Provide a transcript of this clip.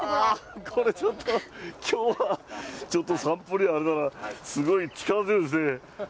これ、ちょっと、きょうは、ちょっと散歩にはあれだな、すごい力強いですね。